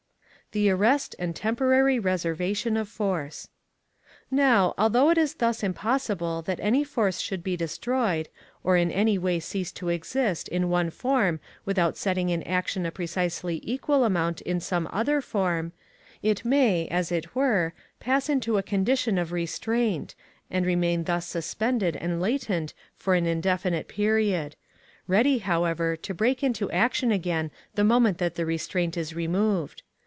The Arrest and temporary Reservation of Force. Now, although it is thus impossible that any force should be destroyed, or in any way cease to exist in one form without setting in action a precisely equal amount in some other form, it may, as it were, pass into a condition of restraint, and remain thus suspended and latent for an indefinite period ready, however, to break into action again the moment that the restraint is removed.